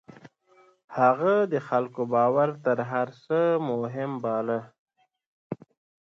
هغه د خلکو باور تر هر څه مهم باله.